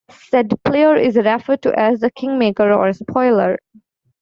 Said player is referred to as the "kingmaker" or "spoiler".